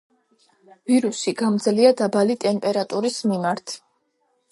ვირუსი გამძლეა დაბალი ტემპერატურის მიმართ.